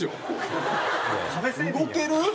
動ける？